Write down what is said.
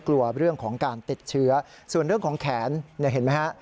กลัวเรื่องของการติดเชื้อส่วนเรื่องของแขนเนี่ยเห็นไหมฮะ